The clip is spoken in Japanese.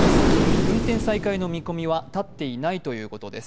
運転再開の見込みは立っていないということです。